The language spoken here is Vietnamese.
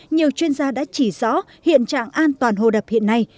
nhiều chuyên gia đã chỉ rõ hiện trạng an toàn hồ đập hiện nay